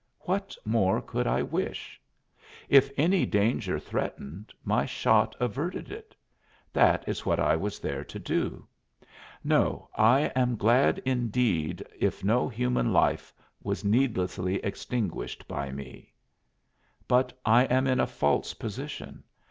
What more could I wish? If any danger threatened, my shot averted it; that is what I was there to do. No, I am glad indeed if no human life was needlessly extinguished by me. But I am in a false position.